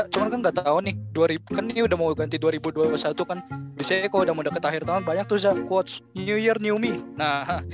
cuma cuma kan cuma nggak tahu ya cuma